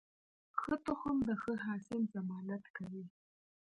ښه تخم د ښه حاصل ضمانت کوي.